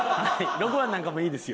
６番なんかもいいですよ。